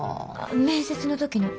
面接の時の。